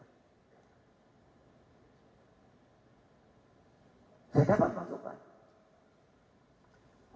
saya dapat masukkan